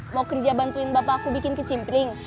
mau kerja bantuin bapak aku bikin kecimpring